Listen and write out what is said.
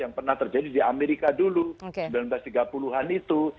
yang pernah terjadi di amerika dulu seribu sembilan ratus tiga puluh an itu